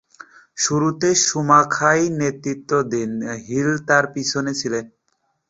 শুরুতে শুমাখার নেতৃত্ব দেন। হিল তাঁর পিছনে ছিলেন।